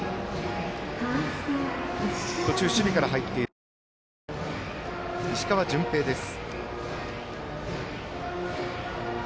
途中守備から入っているファースト石川純平です。